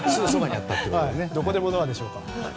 どこでもドアでしょうか。